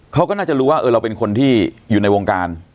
เขาก็น่าจะรู้ว่าเราเป็นคนที่อยู่ในวงการ